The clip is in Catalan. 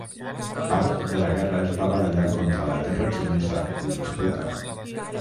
Part de la guerra es va barallar contra la terra xinesa en disputa.